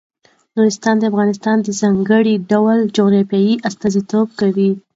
نورستان د افغانستان د ځانګړي ډول جغرافیه استازیتوب کوي.